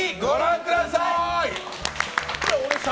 ぜひご覧ください！